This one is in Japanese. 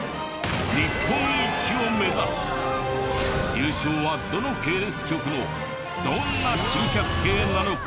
優勝はどの系列局のどんな珍百景なのか？